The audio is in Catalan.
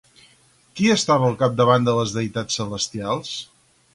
Qui estava al capdavant de les deïtats celestials?